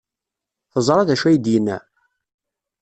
Teẓra d acu ay d-yenna?